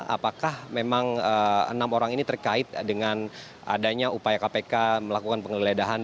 apakah memang enam orang ini terkait dengan adanya upaya kpk melakukan penggeledahan